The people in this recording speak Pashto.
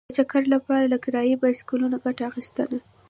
د چکر لپاره له کرايي بایسکلونو ګټه اخیسته.